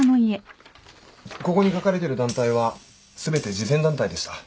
ここに書かれてる団体は全て慈善団体でした。